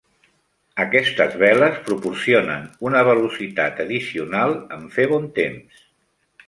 Aquestes veles proporcionen una velocitat addicional en fer bon temps.